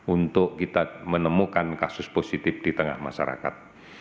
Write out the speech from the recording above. untuk kita menemukan kasus positif di tengah masyarakat